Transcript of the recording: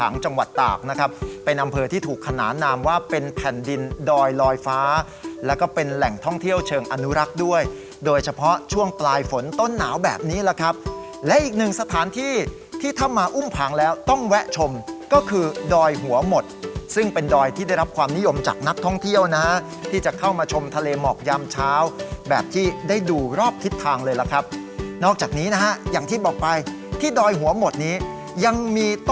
ในนำเภอที่ถูกขนานามว่าเป็นแผ่นดินดอยลอยฟ้าแล้วก็เป็นแหล่งท่องเที่ยวเชิงอนุรักษ์ด้วยโดยเฉพาะช่วงปลายฝนต้นหนาวแบบนี้ล่ะครับและอีกหนึ่งสถานที่ที่ถ้ามาอุ้มผังแล้วต้องแวะชมก็คือดอยหัวหมดซึ่งเป็นดอยที่ได้รับความนิยมจากนักท่องเที่ยวนะฮะที่จะเข้ามาชมทะเลหมอกยามเช้าแบบที่